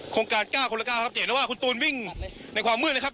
โครงการ๙คนละ๙ครับจะเห็นได้ว่าคุณตูนวิ่งในความมืดนะครับ